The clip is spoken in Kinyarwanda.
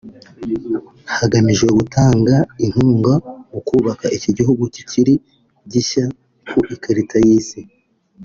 hagamijwe gutanga inkunga mu kubaka iki gihugu kikiri gishya ku ikarita y’isi